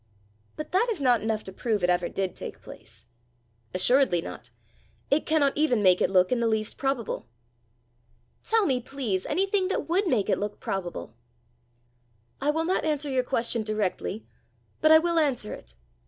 "But that is not enough to prove it ever did take place." "Assuredly not. It cannot even make it look in the least probable." "Tell me, please, anything that would make it look probable." "I will not answer your question directly, but I will answer it.